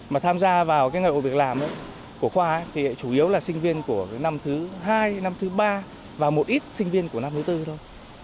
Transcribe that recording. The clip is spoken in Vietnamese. không phải là sinh viên của năm thứ hai năm thứ ba và một ít sinh viên của năm thứ tư thôi